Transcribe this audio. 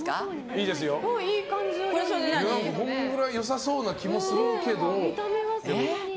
これぐらいで良さそうな気もするけど。